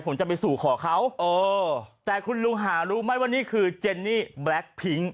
ผมจะไปสู่ขอเขาเออแต่คุณลุงหารู้ไหมว่านี่คือเจนนี่แบล็คพิ้ง